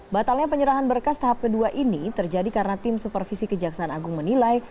batalnya penyerahan berkas tahap kedua ini terjadi karena tim supervisi kejaksaan agung menilai